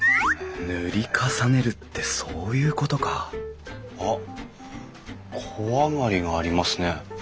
塗り重ねるってそういうことかあっ小上がりがありますね。